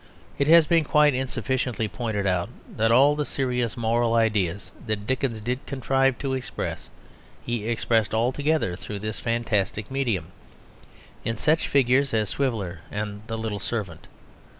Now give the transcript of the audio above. It has been quite insufficiently pointed out that all the serious moral ideas that Dickens did contrive to express he expressed altogether through this fantastic medium, in such figures as Swiveller and the little servant.